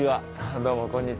どうもこんにちは。